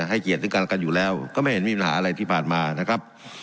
ให้เกียรติซึ่งกันและกันอยู่แล้วก็ไม่เห็นมีปัญหาอะไรที่ผ่านมานะครับ